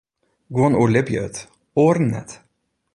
Guon oerlibje it, oaren net.